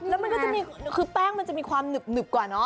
แล้วมันก็จะมีคือแป้งมันจะมีความหนึบกว่าเนอ